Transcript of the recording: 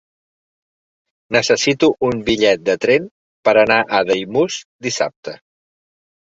Necessito un bitllet de tren per anar a Daimús dissabte.